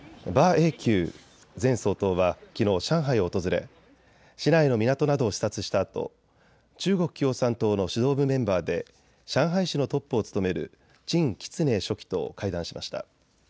英九前総統はきのう上海を訪れ市内の港などを視察したあと中国共産党の指導部メンバーで上海市のトップを務める陳吉寧書記と会談しました。